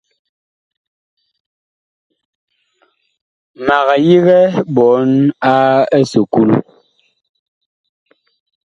Mag yigɛ ɓɔɔn a esukulu.